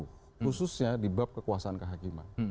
khususnya di bab kekuasaan kehakiman